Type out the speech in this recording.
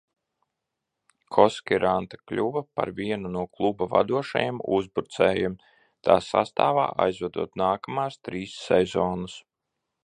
Koskiranta kļuva par vienu no kluba vadošajiem uzbrucējiem, tā sastāvā aizvadot nākamās trīs sezonas.